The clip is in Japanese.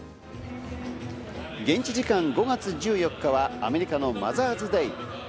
現地時間５月１４日はアメリカのマザーズ・デー。